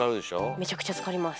めちゃくちゃつかります。